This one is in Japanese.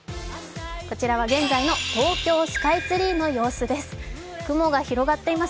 こちらは現在の東京スカイツリーの様子です。